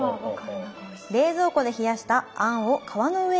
冷蔵庫で冷やした餡を皮の上へ。